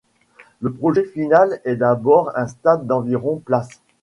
Le projet final est d'avoir un stade d'environ places.